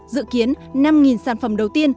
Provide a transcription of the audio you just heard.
dự kiến năm sản phẩm đầu tiên